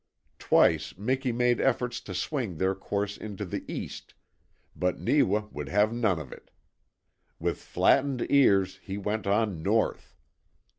Twice Miki made efforts to swing their course into the east, but Neewa would have none of it. With flattened ears he went on NORTH.